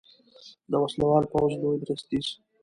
د وسلوال پوځ لوی درستیز